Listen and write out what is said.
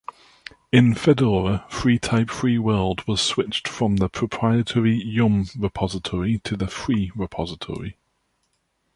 In Fedora, freetype-freeworld was switched from the proprietary yum repository to the free repository.